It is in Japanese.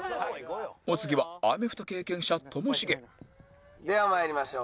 お次はアメフト経験者ともしげでは参りましょう。